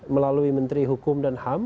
melalui menteri hukum dan ham